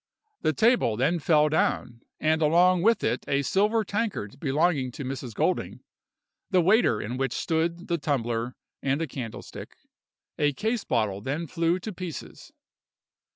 The table then fell down, and along with it a silver tankard belonging to Mrs. Golding—the waiter in which stood the tumbler, and a candlestick. A case bottle then flew to pieces.